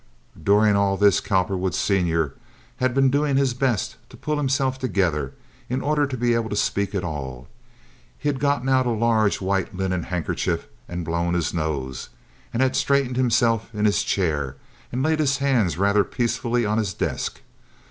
During all this Cowperwood, Sr., had been doing his best to pull himself together in order to be able to speak at all. He had gotten out a large white linen handkerchief and blown his nose, and had straightened himself in his chair, and laid his hands rather peacefully on his desk.